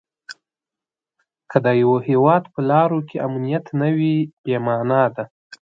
که د یوه هیواد په لارو کې امنیت نه وي بې مانا ده.